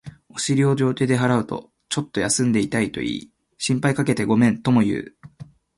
お尻を両手で払うと、ちょっと休んでいたと言い、心配かけてごめんとも言う